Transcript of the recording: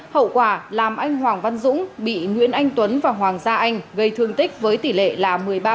hậu quả làm anh hoàng văn dũng bị nguyễn anh tuấn và hoàng gia anh gây thương tích với tỷ lệ là một mươi ba